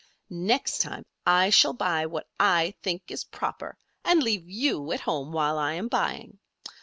"Next time I shall buy what I think is proper and leave you at home while I am buying.